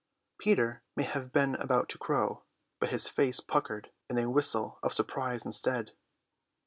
Peter may have been about to crow, but his face puckered in a whistle of surprise instead.